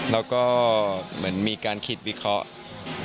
แล้วก็เหมือนมีการคิดวิเคราะห์